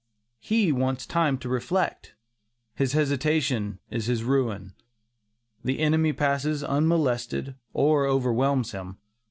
He wants time to reflect; his hesitation is his ruin. The enemy passes unmolested, or overwhelms him.